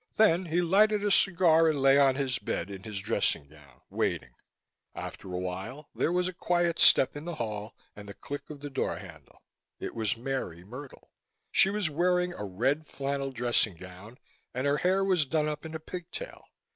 Then he lighted a cigar and lay on his bed, in his dressing gown, waiting After a while there was a quiet step in the hall and the click of the door handle. It was Mary Myrtle. She was wearing a red flannel dressing gown and her hair was done up in a pigtail.